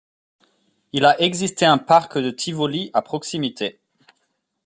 Il a existé un parc de Tivoli à proximité.